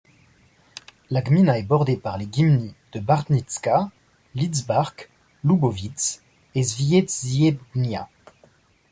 La gmina est bordée par les gminy de Bartniczka, Lidzbark, Lubowidz et Świedziebnia.